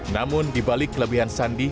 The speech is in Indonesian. namun dibalik kelebihan sandi